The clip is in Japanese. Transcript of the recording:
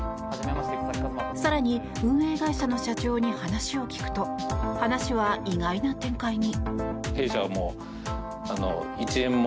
更に運営会社の社長に話を聞くと、話は意外な展開に。